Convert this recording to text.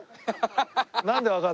なんでわかるの？